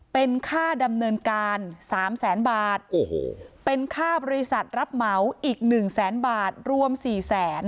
เป็นค่าดำเนินการ๓แสนบาทโอ้โหเป็นค่าบริษัทรับเหมาอีกหนึ่งแสนบาทรวม๔แสน